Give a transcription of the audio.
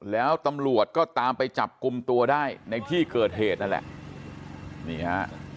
แล้วตำรวจก็ตามไปจับกลุ่มตัวได้ในที่เกิดเหตุนั่นแหละนี่ฮะ